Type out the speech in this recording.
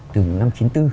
từ năm chín mươi bốn